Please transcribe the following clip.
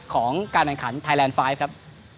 ของการแข่งขันไทยแลนด์ไฟล์ครับ